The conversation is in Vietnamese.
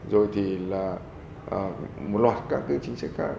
rồi thì là một loạt các chính sách khác